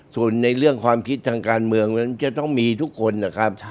ส่วนในเรื่องความคิดทางการเมืองนั้นจะต้องมีทุกคนนะครับ